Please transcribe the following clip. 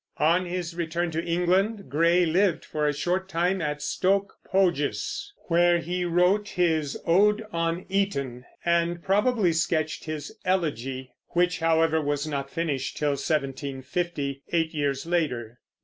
On his return to England, Gray lived for a short time at Stoke Poges, where he wrote his "Ode on Eton," and probably sketched his "Elegy," which, however, was not finished till 1750, eight years later.